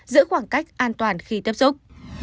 giữ khoảng cách an toàn khi tiếp xúc